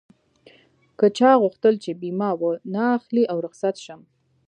که چا غوښتل چې بيمه و نه اخلي او رخصت شم.